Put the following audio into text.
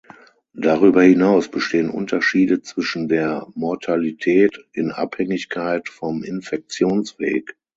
Darüber hinaus bestehen Unterschiede zwischen der Mortalität in Abhängigkeit vom Infektionsweg.